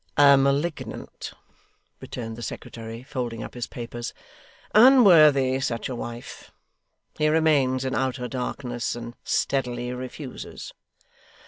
'A malignant,' returned the secretary, folding up his papers. 'Unworthy such a wife. He remains in outer darkness and steadily refuses.